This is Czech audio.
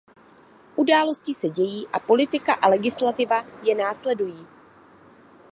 Události se dějí, a politika a legislativa je následují.